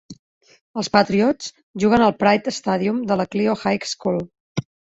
Els Patriots juguen al Pride Stadium de la Clio High School.